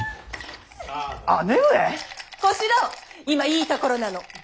今いいところなの。